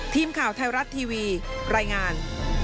ทีมข่าวไทยรัฐทีวีรายงาน